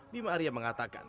bima arya mengatakan